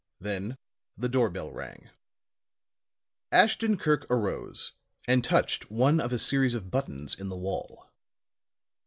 Then the door bell rang. Ashton Kirk arose and touched one of a series of buttons in the wall.